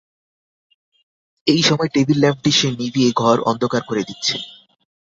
এই সময় টেবিল-ল্যাম্পটি সে নিভিয়ে ঘর অন্ধকার করে দিচ্ছে।